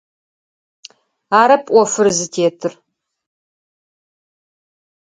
Арэп ӏофыр зытетыр.